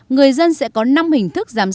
người dân sẽ có năm hình thức giám sát